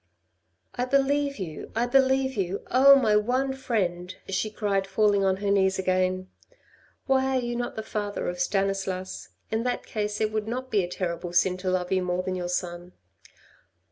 " I believe you ! I believe you ! Oh, my one friend," she cried falling on her knees again. " Why are you not the father of Stanislas ? In that case it would not be a terrible sin to love you more than your son."